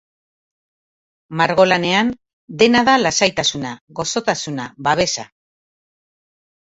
Margolanean dena da lasaitasuna, gozotasuna, babesa.